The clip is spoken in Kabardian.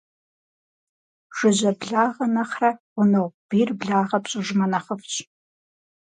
Жыжьэ благъэ нэхърэ гъунэгъу бийр благъэ пщIыжмэ, нэхъыфIщ.